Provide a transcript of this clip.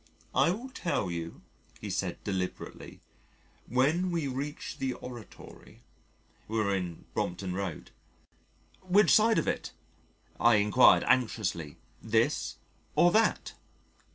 "I will tell you," he said deliberately, "when we reach the Oratory." (We were in Brompton Road.) "Which side of it?" I enquired anxiously. "This or that?"